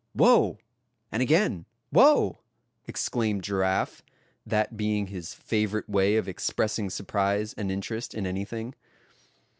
"Wow! and again, wow!" exclaimed Giraffe, that being his favorite way of expressing surprise and interest in anything.